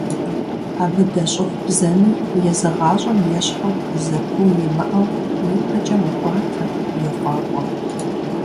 Абы дэщӀыгъу бзэми езы гъащӀэм ещхьу зэпыу имыӀэу ипэкӀэ мэкӀуатэ, йофӀакӀуэ.